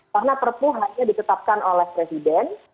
karena perpu hanya ditetapkan oleh presiden